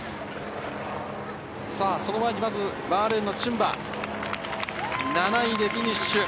その前にまずバーレーンのチュンバ、７位でフィニッシュ。